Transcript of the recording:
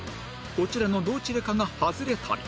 こちらのどちらかがハズレ旅